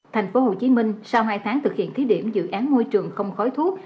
thành phố hồ chí minh sau hai tháng thực hiện thí điểm dự án môi trường không khói thuốc